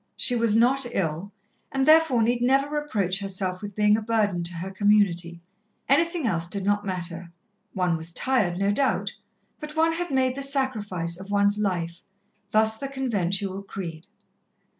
She was not ill, and therefore need never reproach herself with being a burden to her Community. Anything else did not matter one was tired, no doubt but one had made the sacrifice of one's life.... Thus the conventual creed.